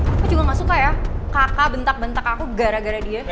aku juga gak suka ya kakak bentak bentak aku gara gara dia